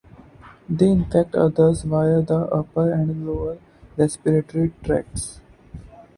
They infect others via the upper and lower respiratory tracts.